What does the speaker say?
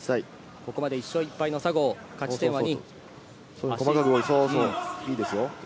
ここまで１勝１敗の佐合、勝ち点２。